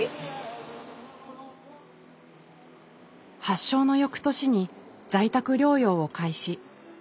発症の翌年に在宅療養を開始。